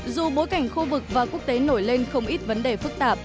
dù bối cảnh khu vực và quốc tế nổi lên không ít vấn đề phức tạp